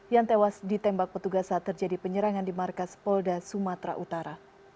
yang tewas ditembak petugas saat terjadi penyerangan di markas polda sumatera utara